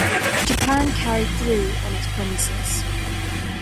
Japan carried through on its promises.